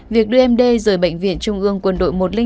việc đưa em đê rời bệnh viện trung ương quân đội một trăm linh tám